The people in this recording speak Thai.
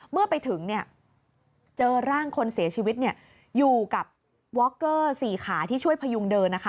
เมื่อไปถึงเจอร่างคนเสียชีวิตอยู่กับวอคเกอร์๔ขาที่ช่วยพยุงเดินนะคะ